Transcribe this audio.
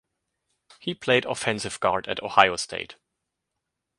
He played offensive guard at Ohio State.